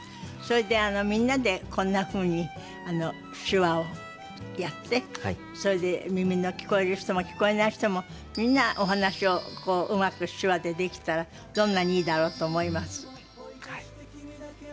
それでみんなでこんなふうに手話をやってそれで耳の聞こえる人も聞こえない人もみんなお話をうまく手話でできたらどんなにいいだろうと思います。